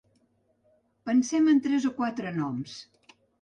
Pensem en tres o quatre noms.